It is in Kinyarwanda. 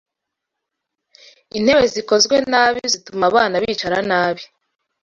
Intebe zikozwe nabi zituma abana bicara nabi